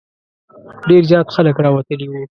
ډېر زیات خلک راوتلي وو.